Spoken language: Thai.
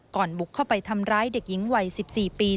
บุกเข้าไปทำร้ายเด็กหญิงวัย๑๔ปี